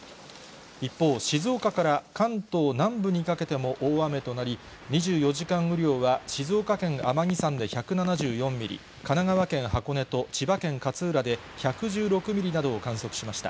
一方、静岡から関東南部にかけても大雨となり、２４時間雨量は静岡県天城山で１７４ミリ、神奈川県箱根と千葉県勝浦で１１６ミリなどを観測しました。